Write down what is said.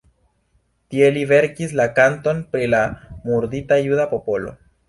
Tie li verkis la "Kanton pri la murdita juda popolo".